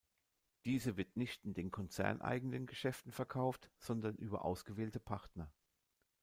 Diese wird nicht in den konzerneigenen Geschäften verkauft, sondern über ausgewählte Partner.